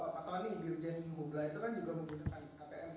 atau lagi giljen gubla itu kan juga menggunakan atm